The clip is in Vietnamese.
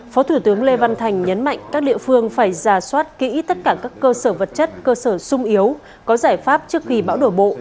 phó thủ tướng lê văn thành nhấn mạnh các địa phương phải ra soát kỹ tất cả các cơ sở vật chất cơ sở sung yếu có giải pháp trước khi bão đổ bộ